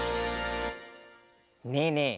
ねえねえ